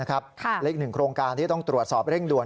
และอีกหนึ่งโครงการที่ต้องตรวจสอบเร่งด่วน